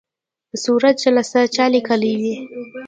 صورت جلسه چا لیکلې وي؟